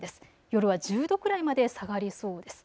夜は１０度くらいまで下がりそうです。